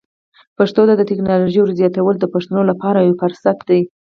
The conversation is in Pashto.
پښتو ته د ټکنالوژۍ ور زیاتول د پښتنو لپاره یو فرصت دی.